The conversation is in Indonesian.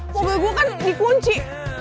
mobil gue kan dikunci